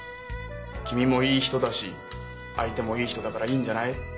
君もいい人だし相手もいい人だからいいんじゃない？